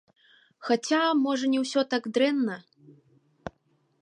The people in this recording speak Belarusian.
Хаця, можа, не ўсё так дрэнна.